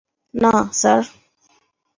না, স্যার।